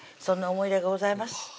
そんな思い出がございます